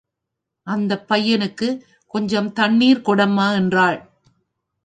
இந்தப் பையனுக்குக் கொஞ்சம் தண்ணீர் கொடம்மா என்கிறாள்.